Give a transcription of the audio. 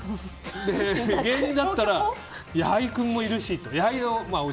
芸人だったら矢作君もいるしって。